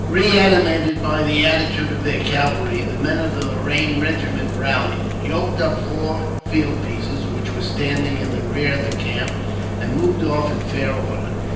Reanimated by the attitude of their cavalry, the men of the Lorraine regiment rallied, yoked up four field pieces which were standing in the rear of the camp, and moved off in fair order.